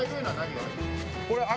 これ。